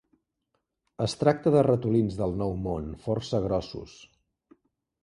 Es tracta de ratolins del Nou Món força grossos.